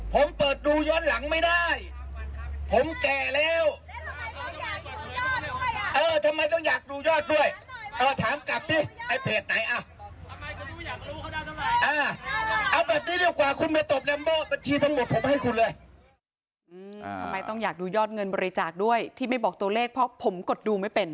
ทำไมต้องอยากดูยอดเงินบริจาคด้วยที่ไม่บอกตัวเลขเพราะผมกดดูไม่เป็น